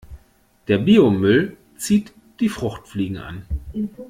Der Biomüll zieht die Fruchtfliegen an.